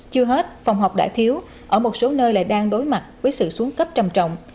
chưa hết phòng học đã thiếu ở một số nơi lại đang đối mặt với sự xuống cấp trầm trọng